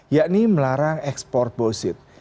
yakni melarang ekspor bau sit